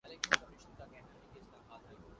جنوبی جارجیا اور جنوبی سینڈوچ جزائر